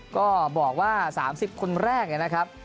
ก็บอกว่า๓๐คนแรกนะครับ